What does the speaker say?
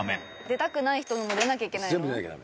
出たくない人のも出なきゃいけないの？